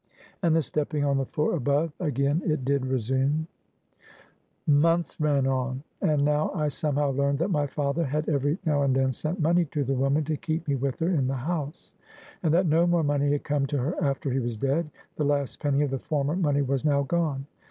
And the stepping on the floor above; again it did resume. "Months ran on; and now I somehow learned that my father had every now and then sent money to the woman to keep me with her in the house; and that no more money had come to her after he was dead; the last penny of the former money was now gone.